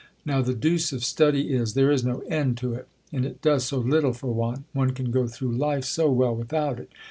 Now the deuce of study is, there is no end to it ! And it doer, so little for one ! one can go through life so well without it